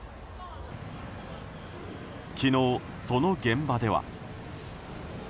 昨日、その現場では。